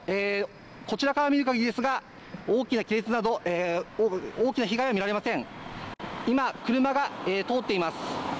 こちらから見るかぎりですが大きな亀裂など大きな被害は見られません。